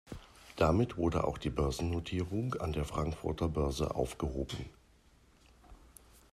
Damit wurde auch die Börsennotierung an der Frankfurter Börse aufgehoben.